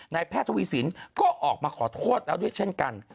แพทย์ทวีสินก็ออกมาขอโทษแล้วด้วยเช่นกัน